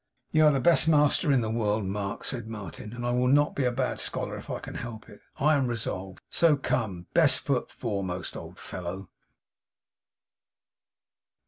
'You are the best master in the world, Mark,' said Martin, 'and I will not be a bad scholar if I can help it, I am resolved! So come! Best foot foremost, old fellow!